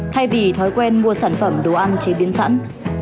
thay vì thói quen mua sản phẩm đồ ăn chế biến sẵn